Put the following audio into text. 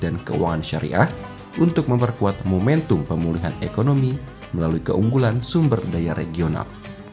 dan keuangan syariah untuk memperkuat momentum pemulihan ekonomi melalui keunggulan sumber daya regional